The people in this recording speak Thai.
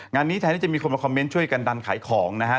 งานนี้แทนที่จะมีคนมาคอมเมนต์ช่วยกันดันขายของนะฮะ